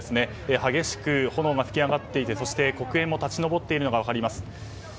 激しく炎が噴き上がっていてそして黒煙も立ち上っているのが分かります。